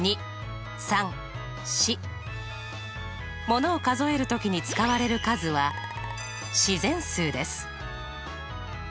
ものを数える時に使われる数は自然数です。